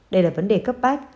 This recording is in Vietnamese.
đây là vấn đề cấp bách